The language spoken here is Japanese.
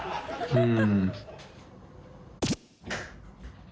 うん。